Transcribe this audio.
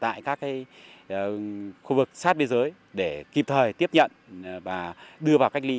tại các khu vực sát biên giới để kịp thời tiếp nhận và đưa vào cách ly